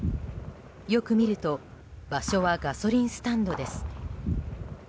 よく見ると場所はガソリンスタンドです。